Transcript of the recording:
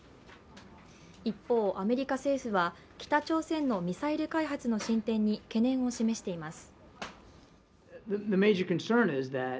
一方、アメリカ政府は北朝鮮のミサイル開発の進展に懸念を示しています。